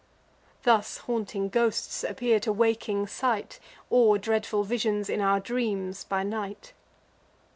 (Thus haunting ghosts appear to waking sight, Or dreadful visions in our dreams by night.)